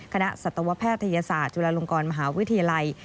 สัตวแพทยศาสตร์จุฬาลงกรมหาวิทยาลัย